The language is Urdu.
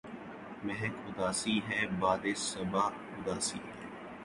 مہک اُداسی ہے، باد ِ صبا اُداسی ہے